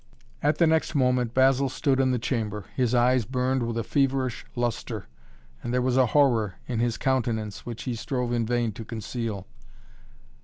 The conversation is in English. At the next moment Basil stood in the chamber. His eyes burned with a feverish lustre, and there was a horror in his countenance which he strove in vain to conceal.